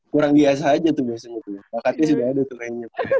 kurang biasa aja tuh biasanya tuh bakatnya sudah ada tuh kayaknya